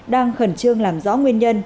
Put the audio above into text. đang khẩn trương làm rõ nguyên nhân